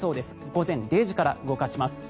午前０時から動かします。